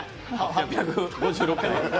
８５６回？